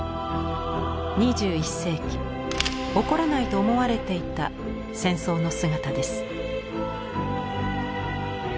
２１世紀起こらないと思われていた戦争の姿です。